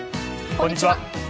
こんにちは。